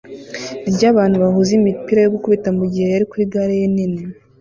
ryabantu bahuza imipira yo gukubita mugihe yari kuri gare ye nini